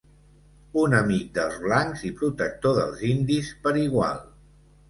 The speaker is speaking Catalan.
Un amic dels blancs i protector dels indis per igual.